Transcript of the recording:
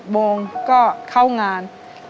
โมงก็เข้างาน